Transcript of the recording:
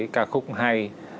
ca khúc hay